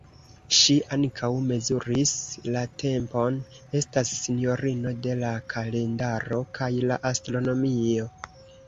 Ŝi ankaŭ mezuris la tempon, estas Sinjorino de la Kalendaro kaj la Astronomio.